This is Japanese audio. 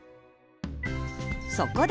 そこで！